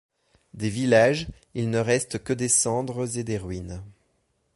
Des villages, il ne reste que des cendres et des ruines.